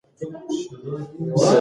آیا ته خپلې اړتیاوې پوره کولای سې؟